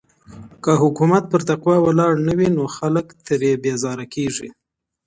که حکومت پر تقوی ولاړ نه وي نو خلګ ترې بېزاره کيږي.